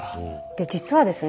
で実はですね